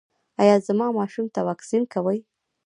ایا زما ماشوم ته واکسین کوئ؟